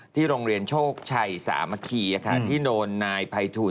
โรงเรียนโชคชัยสามัคคีที่โดนนายภัยทูล